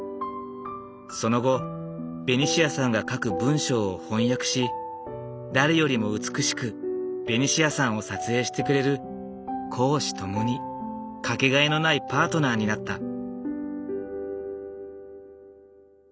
その後ベニシアさんが書く文章を翻訳し誰よりも美しくベニシアさんを撮影してくれる公私共に掛けがえのないパートナーになった。